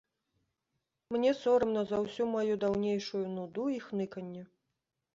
Мне сорамна за ўсю маю даўнейшую нуду і хныканне.